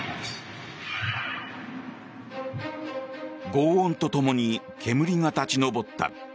ごう音とともに煙が立ち上った。